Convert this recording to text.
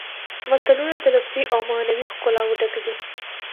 متلونه د لفظي او معنوي ښکلاوو ډک دي